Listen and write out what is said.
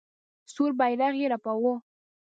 سور بیرغ یې رپاوه.